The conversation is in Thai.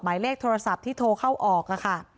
หมายเลขโทรศัพท์ที่โทรเข้าออกค่ะ